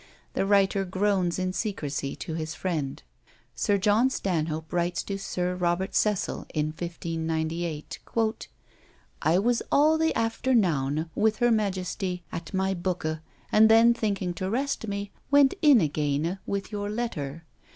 The writer groans in secrecy to his friend. Sir John Stanhope writes to Sir Robert Cecil in 1598: "I was all the afternowne with her majestie, at my booke; and then thinking to rest me, went in agayne with your letter.